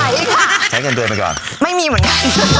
ใช้เงินเดือนไปก่อนไม่มีเหมือนกัน